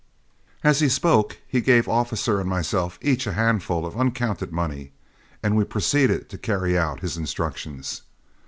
As he spoke he gave Officer and myself each a handful of uncounted money, and we proceeded to carry out his instructions.